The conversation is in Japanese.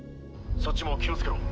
そっちも気をつけろ。